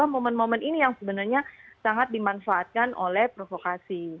momen momen ini yang sebenarnya sangat dimanfaatkan oleh provokasi